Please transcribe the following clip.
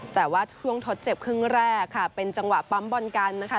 แต่ว่าช่วงทดเจ็บครึ่งแรกค่ะเป็นจังหวะปั๊มบอลกันนะคะ